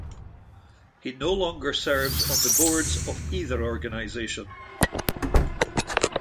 He no longer serves on the boards of either organization.